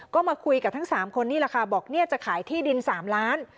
ก็มาคุยกับทั้ง๓คนนี่แหละค่ะบอกเนี่ยจะขายที่ดิน๓ล้าน